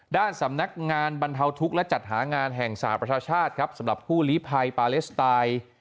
ด้านสำนักงานบรรเทาทุกข์และจัดหางานแห่งสหประชาชาติครับสำหรับผู้ลิภัยปาเลสไตล์